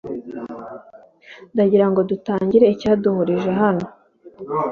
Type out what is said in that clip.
ndagirango dutangire icyaduhurije Hano